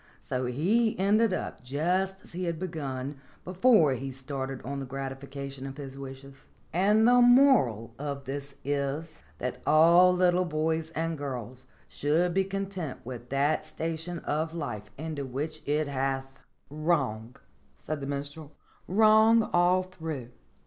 So he ended up just as he had begun before he started on the gratification of his wishes. And the moral of this is, that all little boys 293 294 STORIES WITHOUT TEARS and girls should be content with that station of life into which it hath " "Wrong," said the Minstrel. "Wrong all through.